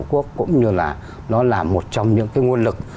tổ quốc cũng như là nó là một trong những cái nguồn lực